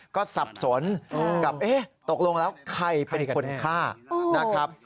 ก็สับสนกับเอ๊ะตกลงแล้วใครเป็นคนฆ่านะครับ